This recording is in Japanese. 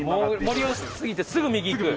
森を過ぎてすぐ右行く。